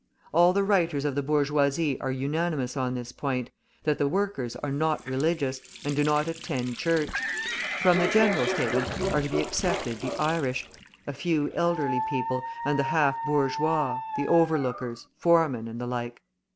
All the writers of the bourgeoisie are unanimous on this point, that the workers are not religious, and do not attend church. From the general statement are to be excepted the Irish, a few elderly people, and the half bourgeois, the overlookers, foremen, and the like.